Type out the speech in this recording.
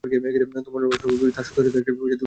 তোমরা সর্বব্যাপী, তবে সত্তাচেতনা একটি বিন্দুতে ঘনীভূত।